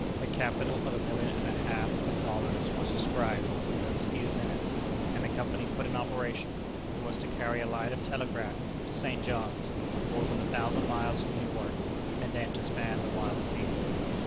A capital of a million and a half of dollars was subscribed in those few minutes, and a company put in operation that was to carry a line of telegraph to St. John's, more than a thousand miles from New York, and then to span the wild sea.